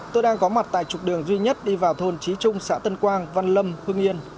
tôi đang có mặt tại trục đường duy nhất đi vào thôn trí trung xã tân quang văn lâm hương yên